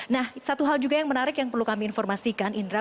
nah satu hal juga yang menarik yang perlu kami informasikan indra